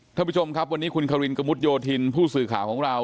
ท่านผู้ชมครับวันนี้คุณคารินกระมุดโยธินผู้สื่อข่าวของเรา